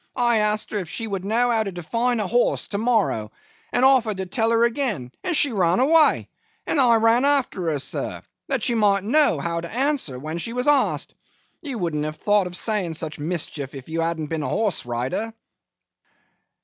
I asked her if she would know how to define a horse to morrow, and offered to tell her again, and she ran away, and I ran after her, sir, that she might know how to answer when she was asked. You wouldn't have thought of saying such mischief if you hadn't been a horse rider?